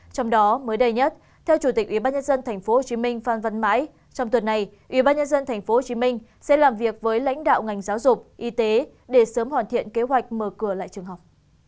trong đó mới đây nhất theo chủ tịch ubnd tp hcm phan văn mãi trong tuần này ubnd tp hcm sẽ làm việc với lãnh đạo ngành giáo dục y tế để sớm hoàn thiện kế hoạch mở cửa lại trường học